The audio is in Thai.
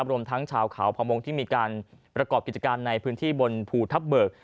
รวมทั้งชาวเขาพมงที่มีการประกอบกิจการในพื้นที่บนภูทับเบิก